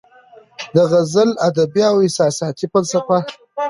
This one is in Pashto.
د غزل ادبي او احساساتي فلسفه